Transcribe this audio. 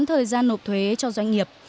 thời gian nộp thuế cho doanh nghiệp